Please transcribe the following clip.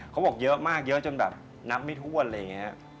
เขาบอกเยอะมากเยอะจนแบบนับไม่ถ้วนอะไรอย่างนี้